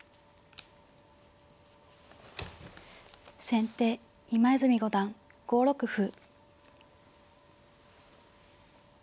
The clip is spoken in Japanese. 先手今泉五段５六歩。